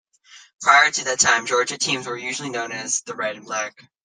Prior to that time, Georgia teams were usually known as the Red and Black.